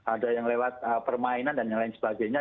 ada yang lewat permainan dan lain lain sebagainya